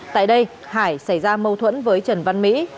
tại đây hải xảy ra mâu thuẫn với trần văn mỹ